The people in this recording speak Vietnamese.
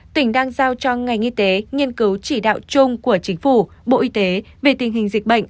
tỉnh đang giao cho ngành y tế nghiên cứu chỉ đạo chung của chính phủ bộ y tế về tình hình dịch bệnh